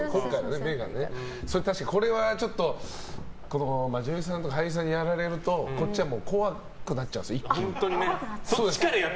確かに、これは女優さんとか俳優さんにやられるとこっちは怖くなっちゃうんです。